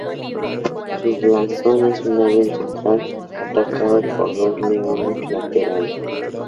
Su blasón es un árbol central atacado por dos leones laterales.